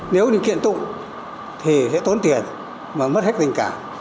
nếu như kiện tụng thì hãy tốn tiền mà mất hết tình cảm